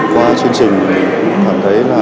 qua chương trình mình cảm thấy là